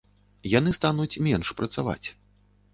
Яны стануць менш працаваць.